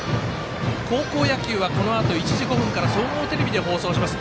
高校野球はこのあと１時５分から総合テレビでお伝えします。